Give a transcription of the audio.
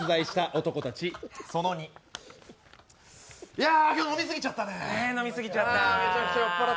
いや、今日飲み過ぎちゃった。